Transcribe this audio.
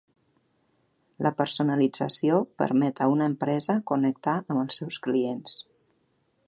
La personalització permet a una empresa connectar amb els seus clients.